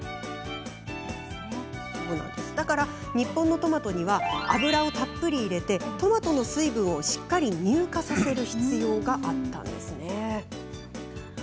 だから、日本のトマトには油をたっぷり入れてトマトの水分をしっかり乳化させる必要があったんです。